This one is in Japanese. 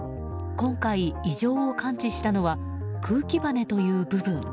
今回、異常を感知したのは空気ばねという部分。